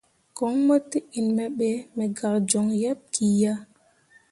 Koŋ mo te in me be, me gak joŋ yeḅ ki ya.